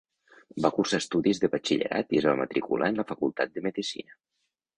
Va cursar estudis de batxillerat i es va matricular en la facultat de medicina.